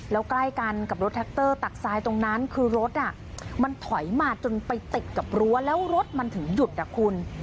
แล้วใกล้กันกับรถแท็กเตอร์ตักทรายตรงนั้นคือรถมันถอยมาจนไปติดกับรั้วแล้วรถมันถึงหยุดอ่ะคุณ